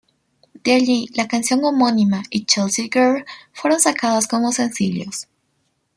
De allí la canción homónima y "Chelsea Girl" fueron sacadas como sencillos.